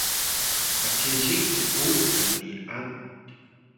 mkizik sku nni’an